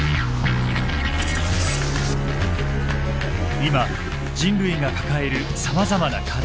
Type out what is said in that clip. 今人類が抱えるさまざまな課題。